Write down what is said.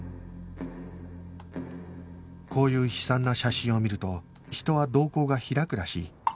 こういう悲惨な写真を見ると人は瞳孔が開くらしい